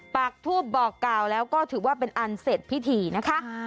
ปากทูปบอกกล่าวแล้วก็ถือว่าเป็นอันเสร็จพิธีนะคะ